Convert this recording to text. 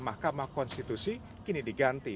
mahkamah konstitusi kini diganti